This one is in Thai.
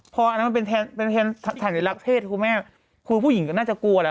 พออันนั้นเป็นแทนในปรักเทศคุณพุดผู้หญิงก็น่าจะกลัวแล้ว